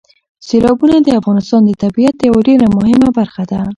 سیلابونه د افغانستان د طبیعت یوه ډېره مهمه برخه ده.